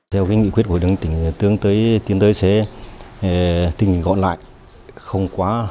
theo cái nghị quyết của đồng tỉnh tương tới tiến tới sẽ tình hình gọn lại không quá